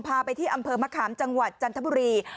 พาไปที่อำเภอมะขามจังหวัดจันทบุรี